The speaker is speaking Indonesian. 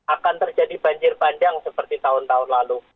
akan terjadi banjir bandang seperti tahun tahun lalu